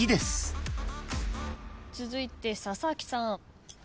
続いて佐々木さん。